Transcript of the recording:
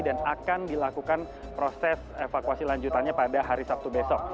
dan akan dilakukan proses evakuasi lanjutannya pada hari sabtu besok